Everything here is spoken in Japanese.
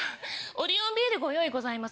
オリオンビールご用意ございません。